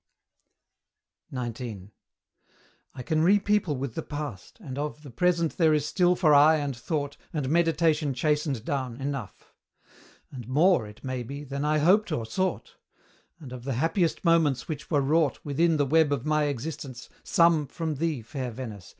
XIX. I can repeople with the past and of The present there is still for eye and thought, And meditation chastened down, enough; And more, it may be, than I hoped or sought; And of the happiest moments which were wrought Within the web of my existence, some From thee, fair Venice!